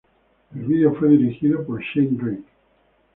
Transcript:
El video fue dirigido por Shane Drake.